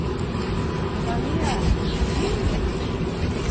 Сания, һинме?